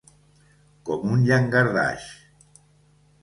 Com un llangardaix.